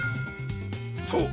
そう！